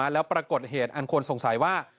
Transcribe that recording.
แล้วปรากฏเหตุอันควรสงสัยว่า